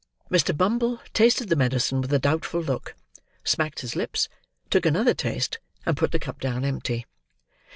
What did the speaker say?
Mr. Bumble tasted the medicine with a doubtful look; smacked his lips; took another taste; and put the cup down empty.